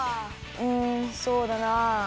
うんそうだな。